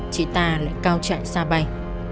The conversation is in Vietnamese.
chị ta lại cao chạy xa bay